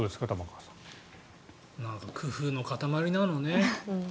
工夫の塊なのね。